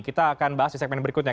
kita akan bahas di segmen berikutnya